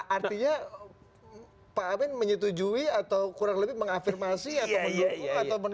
artinya pak amin menyetujui atau kurang lebih mengafirmasi atau mendukung atau menolak